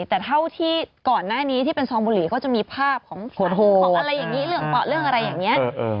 แต่เท่าที่ก่อนหน้านี้ที่เป็นซองบุหรี่ก็จะมีภาพของอะไรอย่างนี้เรื่องปอดเรื่องอะไรอย่างนี้